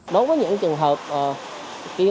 đối với những trường hợp t